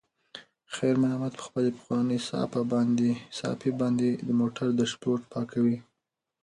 خیر محمد په خپله پخوانۍ صافه باندې د موټر ډشبورډ پاکوي.